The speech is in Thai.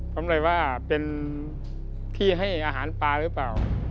ผมเลยว่าเป็นที่ให้อาหารปลาหรือเปล่า